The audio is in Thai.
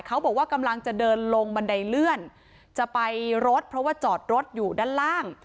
เขาบอกว่ากำลังจะเดินลงบันไดเลื่อนจะไปรถเพราะว่าจอดรถอยู่ด้านล่าง